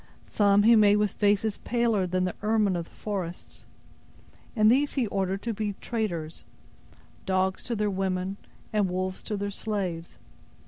Some He made with faces paler than the ermine of the forests; and these He ordered to be traders; dogs to their women, and wolves to their slaves.